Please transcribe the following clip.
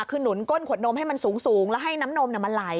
คือหนุนก้นขวดนมให้มันสูงแล้วให้น้ำนมมันไหล